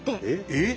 えっ！